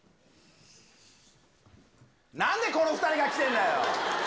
なんでこの２人が来てるんだよ。